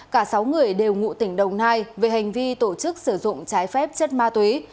cả sáu người đều ngụ tỉnh đồng nai về hành vi tổ chức sử dụng trái phép chất ma túy